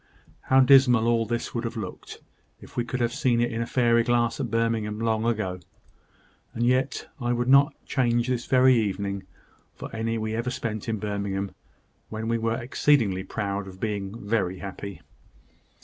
How dismal all this would have looked, if we could have seen it in a fairy glass at Birmingham long ago! and yet I would not change this very evening for any we ever spent in Birmingham, when we were exceedingly proud of being very happy."